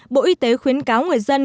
bộ y tế khuyến cáo người dân